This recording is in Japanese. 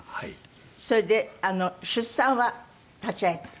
それで出産は立ち会えたの？